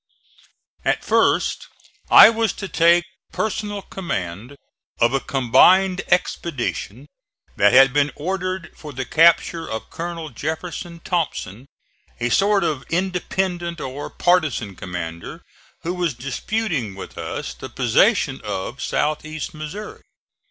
At first I was to take personal command of a combined expedition that had been ordered for the capture of Colonel Jeff. Thompson, a sort of independent or partisan commander who was disputing with us the possession of south east Missouri.